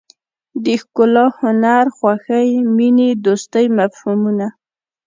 د ښکلا هنر خوښۍ مینې دوستۍ مفهومونه.